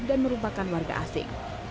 dan merupakan warga asing